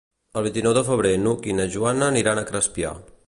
El vint-i-nou de febrer n'Hug i na Joana aniran a Crespià.